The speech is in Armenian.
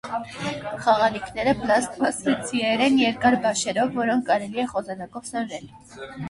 Խաղալիքները պլաստմասսե ձիեր են, երկար բաշերով, որոնք կարելի է խոզանակով սանրել։